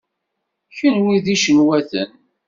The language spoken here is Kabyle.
Kenwi d icinwaten?